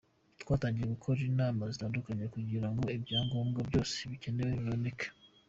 Twatangiye gukora inama zitandukanye kugira ngo ibyangombwa byose bikenewe biboneke.